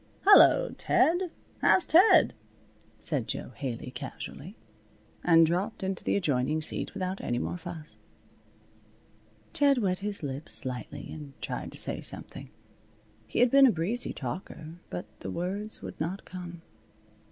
"Hello, Ted! How's Ted?" said Jo Haley, casually. And dropped into the adjoining seat without any more fuss. Ted wet his lips slightly and tried to say something. He had been a breezy talker. But the words would not come.